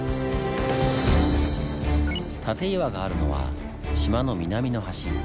舘岩があるのは島の南の端。